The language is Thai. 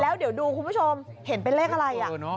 แล้วเดี๋ยวดูคุณผู้ชมเห็นเป็นเลขอะไร